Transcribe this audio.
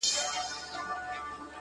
بيا دي توري سترگي زما پر لوري نه کړې;